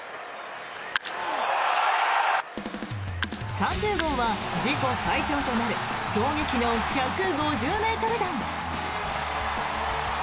３０号は自己最長となる衝撃の１５０ｍ弾。